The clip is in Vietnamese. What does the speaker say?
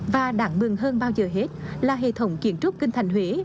và đáng mừng hơn bao giờ hết là hệ thống kiến trúc cân thành huế